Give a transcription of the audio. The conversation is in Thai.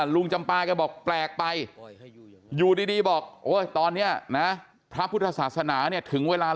ลูนจำปายนะบอกแปลกไปอยู่ดีบอกตอนเนี่ยนะพระพุทธศาสนาได้ถึงเวลา